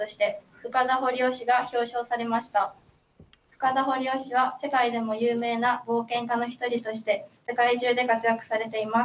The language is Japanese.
深田掘夫氏は世界でも有名な冒険家の１人として世界中で活躍されています。